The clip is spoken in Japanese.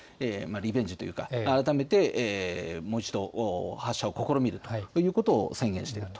リベンジというか、改めてもう一度発射を試みるということを宣言していると。